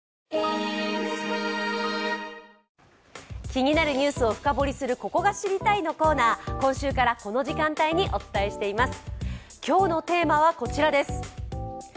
気になるニュースを深掘りする「ここが知りたい！」のコーナー、今週から、この時間帯にお伝えしています。